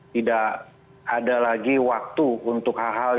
tidak ada lagi waktu untuk hal hal